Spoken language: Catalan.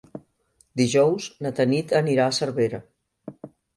Dijous na Tanit anirà a Cervera.